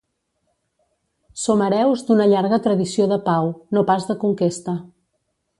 Som hereus d'una llarga tradició de pau, no pas de conquesta.